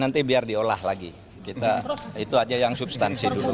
nanti biar diolah lagi itu saja yang substansi dulu